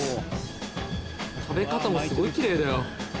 食べ方もすごい奇麗だよ。